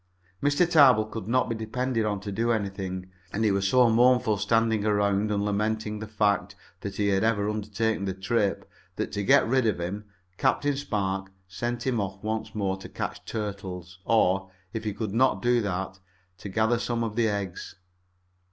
Mr. Tarbill could not be depended on to do anything, and he was so mournful, standing around and lamenting the fact that he had ever undertaken the trip, that, to get rid of him, Captain Spark sent him off once more to catch turtles, or, if he could not do that, to gather some of the eggs.